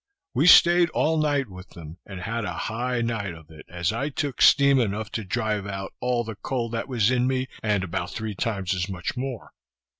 We staid all night with them, and had a high night of it, as I took steam enough to drive out all the cold that was in me, and about three times as much more.